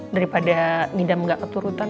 daripada ngidam gak keturutan